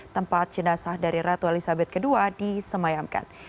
tempat jenazah dari ratu elizabeth ii disemayamkan